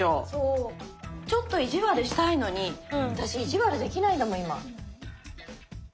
ちょっと意地悪したいのに私意地悪できないんだもん今。